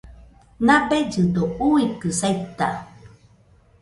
Nabellɨdo uikɨ saita